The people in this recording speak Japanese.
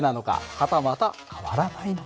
はたまた変わらないのか。